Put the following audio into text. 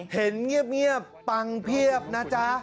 เห็นเงียบปังเพียบนะจ๊ะ